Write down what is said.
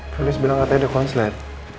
tulis bilang katanya ada konslet